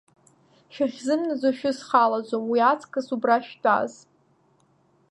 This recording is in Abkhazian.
Шәахьзымнаӡо шәызхалаӡом, уиаҵкыс убра шәтәаз.